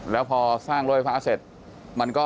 แล้วพอสร้างรถไฟฟ้าเสร็จ